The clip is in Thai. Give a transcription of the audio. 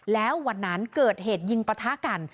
แล้ววันนั้นเกิดเหตุยิงปะทะกัน